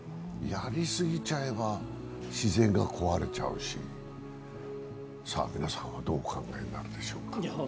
やり過ぎちゃえば自然が壊れちゃうし、さあ、皆さんはどうお考えになるでしょうか。